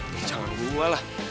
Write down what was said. duh jangan gue lah